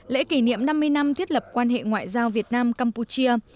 lễ kỷ niệm năm mươi năm thiết lập quan hệ ngoại giao việt nam campuchia